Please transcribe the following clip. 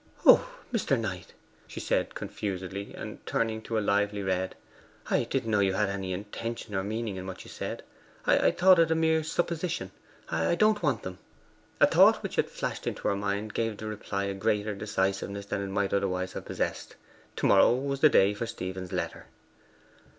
'O Mr. Knight!' said Elfride confusedly, and turning to a lively red; 'I didn't know you had any intention or meaning in what you said. I thought it a mere supposition. I don't want them.' A thought which had flashed into her mind gave the reply a greater decisiveness than it might otherwise have possessed. To morrow was the day for Stephen's letter.